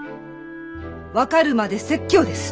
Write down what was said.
分かるまで説教です！